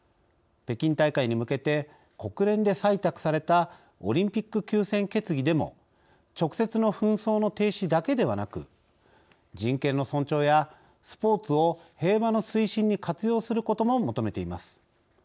北京大会に向けて国連で採択されたオリンピック休戦決議でも直接の紛争の停止だけではなく人権の尊重やスポーツを平和の推進に活用することも求めています。